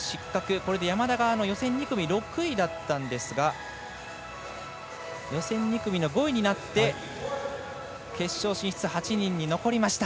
これで山田が予選２組６位だったんですが予選２組の５位になって決勝進出、８人に残りました。